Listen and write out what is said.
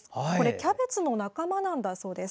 キャベツの仲間なんだそうです。